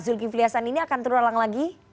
zulkifli hasan ini akan terulang lagi